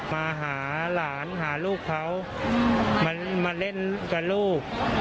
มาหารานหารูกเขามาเล่นกันรูป